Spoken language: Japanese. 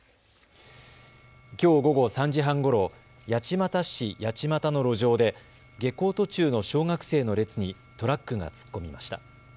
きょう午後３時半ごろ八街市八街の路上で下校途中の小学生の列にトラックが突っ込みました。